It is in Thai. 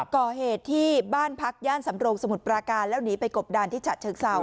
ก่อเหตุที่บ้านพักย่านสำโรงสมุทรปราการแล้วหนีไปกบดานที่ฉะเชิงเศร้า